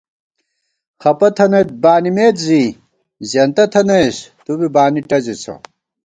خپہ تھنَئیت بانِمېت زی زېنتہ تھنَئیس، تُو بی بانی ٹَزِسہ